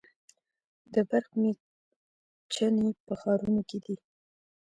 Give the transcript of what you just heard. د برق میچنې په ښارونو کې دي.